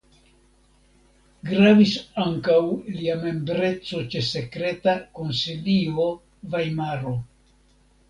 Gravis ankaŭ lia membreco ĉe Sekreta konsilio (Vajmaro).